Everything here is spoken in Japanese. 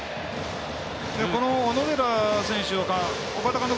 この小野寺選手、岡田監督